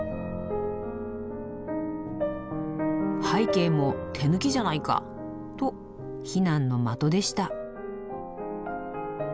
背景も手抜きじゃないか！と非難の的でした。